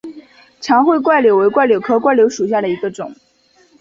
长穗柽柳为柽柳科柽柳属下的一个种。